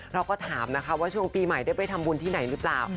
เราก็ถามนะคะว่าช่วงปีใหม่ได้ไปทำบุญที่ไหนหรือเปล่า